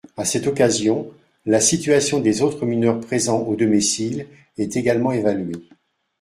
À cette occasion, la situation des autres mineurs présents au domicile est également évaluée.